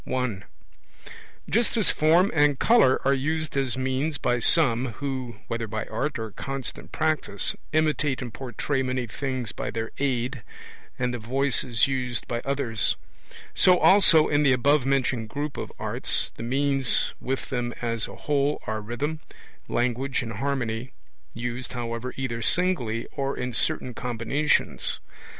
I. Just as form and colour are used as means by some, who (whether by art or constant practice) imitate and portray many things by their aid, and the voice is used by others; so also in the above mentioned group of arts, the means with them as a whole are rhythm, language, and harmony used, however, either singly or in certain combinations.